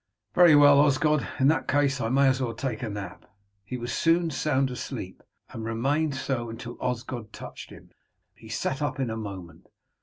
"Very well, Osgod; in that case I may as well take a nap." He was soon sound asleep, and remained so until Osgod touched him. He sat up in a moment.